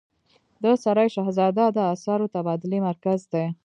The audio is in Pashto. د سرای شهزاده د اسعارو تبادلې مرکز دی